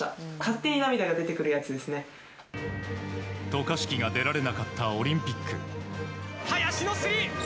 渡嘉敷が出られなかったオリンピック。